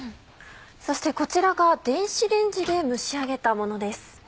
そしてこちらが電子レンジで蒸し上げたものです。